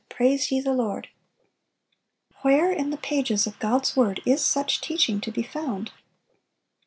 praise ye the Lord!" Where, in the pages of God's word, is such teaching to be found?